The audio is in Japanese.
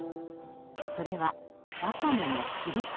それはワカメの切り方。